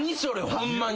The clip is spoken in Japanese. ホンマに。